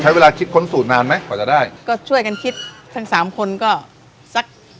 ใช้เวลาคิดค้นสูตรนานไหมกว่าจะได้ก็ช่วยกันคิดทั้งสามคนก็สัก